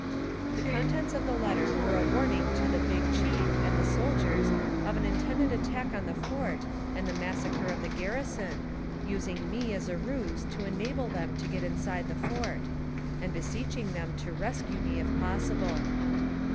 The contents of the letter were a warning to the "Big Chief" and the soldiers of an intended attack on the fort and the massacre of the garrison, using me as a ruse to enable them to get inside the fort; and beseeching them to rescue me if possible.